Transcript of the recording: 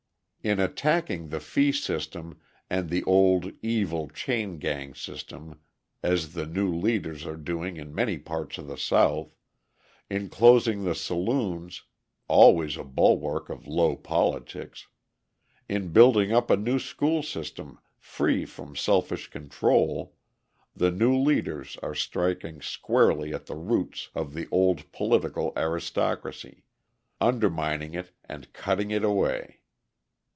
In attacking the fee system and the old, evil chain gang system as the new leaders are doing in many parts of the South, in closing the saloons (always a bulwark of low politics), in building up a new school system free from selfish control, the new leaders are striking squarely at the roots of the old political aristocracy, undermining it and cutting it away.